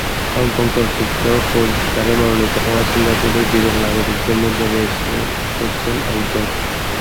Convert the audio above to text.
Hong Kong চলচ্চিত্র পুরস্কারে মনোনীত হওয়া সিঙ্গাপুরের বিরল নাগরিকদের মধ্যে রেস ওং হচ্ছেন একজন।